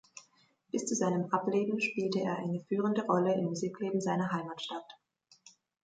Bis zu seinem Ableben spielte er eine führende Rolle im Musikleben seiner Heimatstadt.